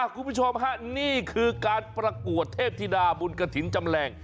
คุณผู้ชมฮะนี่คือการประกวดเทพธิดาบุญกระถิ่นจำแรง